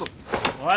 おい！